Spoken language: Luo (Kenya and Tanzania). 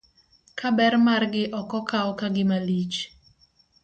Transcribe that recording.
Ka ber margi ok okaw ka gima lich.